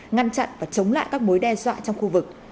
ngăn chặn và chống lại các mối đe dọa trong khu vực